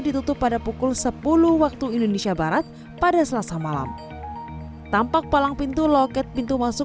ditutup pada pukul sepuluh waktu indonesia barat pada selasa malam tampak palang pintu loket pintu masuk